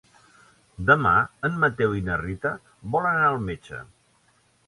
Demà en Mateu i na Rita volen anar al metge.